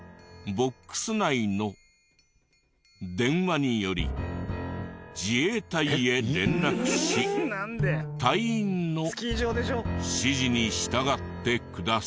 ＢＯＸ内の電話により自衛隊へ連絡し隊員の指示に従って下さい」